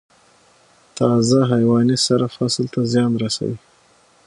تازه حیواني سره فصل ته زیان رسوي؟